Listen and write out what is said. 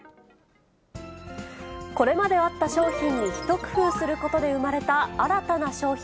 これまであった商品に一工夫することで生まれた新たな商品。